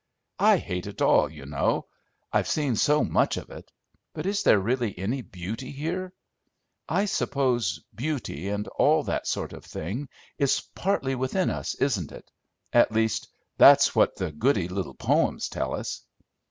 I hate it all, you know, I've seen so much of it. But is there really any beauty here? I suppose beauty, and all that sort of thing, is partly within us, isn't it? at least, that's what the goody little poems tell us."